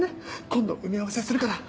今度埋め合わせするから。